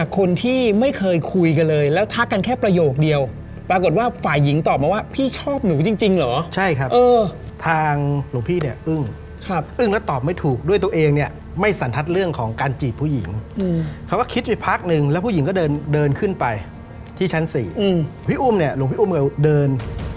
คนที่ไม่เคยคุยกันเลยแล้วทักกันแค่ประโยคเดียวปรากฎว่าฝ่ายหญิงตอบมาว่าพี่ชอบหนูจริงจริงเหรอใช่ครับเออทางหลวงพี่เนี่ย